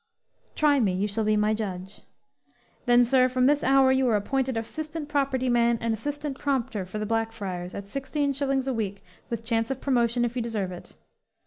"Try me; you shall be my judge." "Then, sir, from this hour you are appointed assistant property man and assistant prompter for the Blackfriars, at sixteen shillings a week, with chance of promotion, if you deserve it!